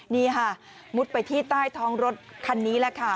นี่ค่ะมุดไปที่ใต้ท้องรถคันนี้แหละค่ะ